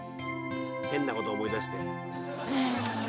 変なこと思い出して。